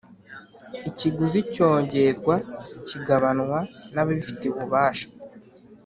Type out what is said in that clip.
Ikiguzi cyogerwa kigabanwa nababifitiye ububasha